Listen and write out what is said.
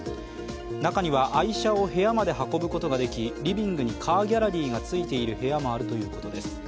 中には愛車を部屋まで運ぶことができリビングにカーギャラリーがついている部屋もあるということです。